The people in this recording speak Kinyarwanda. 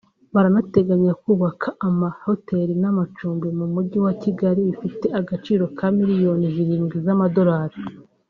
Baranateganya kubaka ama hotel n’amacumbi mu Mujyi wa Kigali bifite agaciro ka miliyoni zirindwi z’amadorali